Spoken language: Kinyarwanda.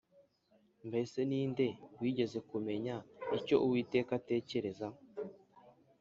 Mbese ni nde wigeze kumenya icyo Uwiteka atekereza,